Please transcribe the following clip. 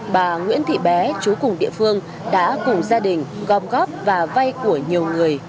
bà nguyễn thị bé chú cùng địa phương đã cùng gia đình gom góp và vay của nhiều người